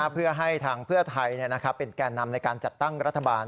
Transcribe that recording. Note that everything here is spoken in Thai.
เพื่อให้ทางเพื่อไทยเป็นแก่นำในการจัดตั้งรัฐบาล